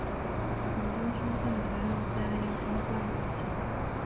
很多蔬菜还要加压装罐才行。